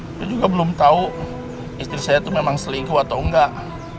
itu juga belum tahu istri saya itu memang selingkuh atau enggak